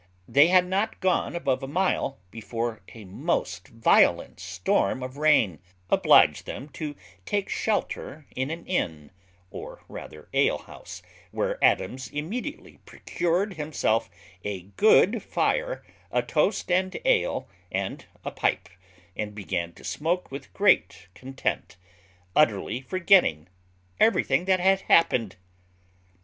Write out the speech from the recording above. They had not gone above a mile before a most violent storm of rain obliged them to take shelter in an inn, or rather alehouse, where Adams immediately procured himself a good fire, a toast and ale, and a pipe, and began to smoke with great content, utterly forgetting everything that had happened.